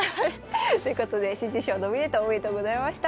ということで新人賞ノミネートおめでとうございました。